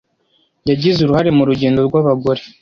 Yagize uruhare mu rugendo rw’abagore.